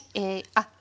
あっ